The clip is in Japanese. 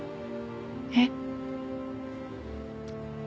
えっ？